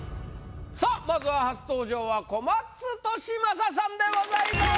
さあまずは初登場は小松利昌さんでございます。